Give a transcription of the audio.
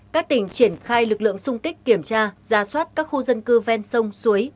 các tỉnh triển khai lực lượng xung kích kiểm tra ra soát các khu dân cư ven sông suối